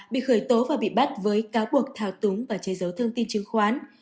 bị khởi tố và bị bắt với cáo buộc thao túng và che giấu thông tin chứng khoán